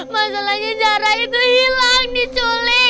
masalahnya jarah itu hilang diculik